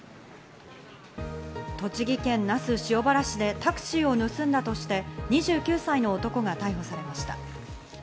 栃木県那須塩原市でタクシーを盗んだとして２９歳の男が逮捕されました。